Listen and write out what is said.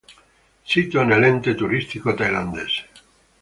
Sito dell'ente turistico thailandese